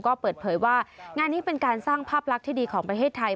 ก็เปิดเผยว่างานนี้เป็นการสร้างภาพลักษณ์ที่ดีของประเทศไทย